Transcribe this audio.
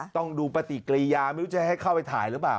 ต้องดูปฏิกุรียามิวจะให้เข้าไปถ่ายรึเปล่า